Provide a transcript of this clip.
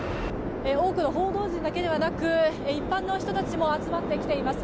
多くの報道陣だけではなく一般の人たちも集まってきています。